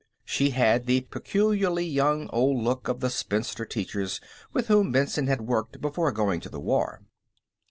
She had the peculiarly young old look of the spinster teachers with whom Benson had worked before going to the war.